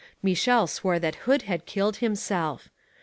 Michel swore that Hood had killed himself.